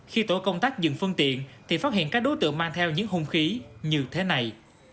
khi tổ công tác dừng phương tiện thì phát hiện các đối tượng mang theo những hung khí như thế này